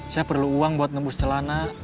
saya perlu uang buat nembus celana